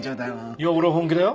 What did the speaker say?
いや俺は本気だよ。